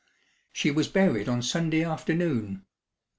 She was buried on Sunday afternoon.